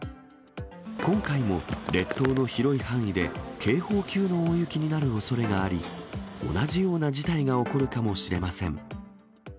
今回も列島の広い範囲で警報級の大雪になるおそれがあり、同じような事態が起こるかもしれません。